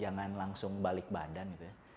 jangan langsung balik badan